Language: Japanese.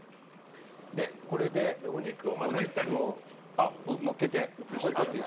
これでお肉をのっけて。